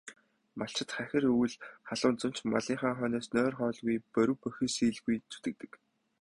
Малчид хахир өвөл, халуун зун ч малынхаа хойноос нойр, хоолгүй борви бохисхийлгүй зүтгэдэг.